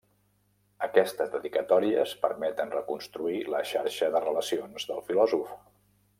Aquestes dedicatòries permeten reconstruir la xarxa de relacions del filòsof.